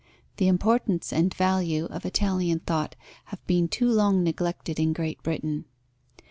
The importance and value of Italian thought have been too long neglected in Great Britain.